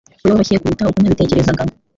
ko yoroshye kuruta uko nabitekerezaga